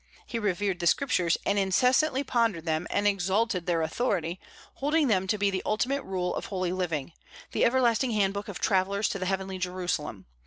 He revered the Scriptures, and incessantly pondered them, and exalted their authority, holding them to be the ultimate rule of holy living, the everlasting handbook of travellers to the heavenly Jerusalem.